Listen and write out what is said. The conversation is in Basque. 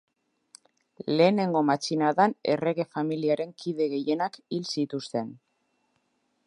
Lehenengo matxinadan errege familiaren kide gehienak hil zituzten.